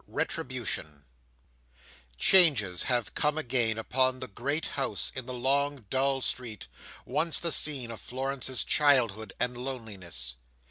Retribution Changes have come again upon the great house in the long dull street, once the scene of Florence's childhood and loneliness.